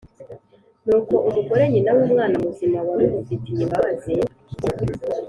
Nuko umugore nyina w’umwana muzima wari umufitiye imbabazi